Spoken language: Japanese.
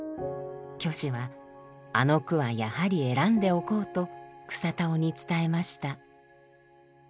虚子は「あの句はやはり選んでおこう」と草田男に伝えました。